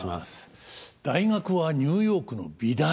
大学はニューヨークの美大！